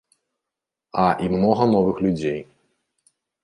А і многа новых людзей.